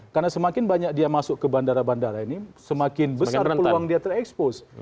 karena semakin banyak dia masuk ke bandara bandara ini semakin besar peluang dia terekspos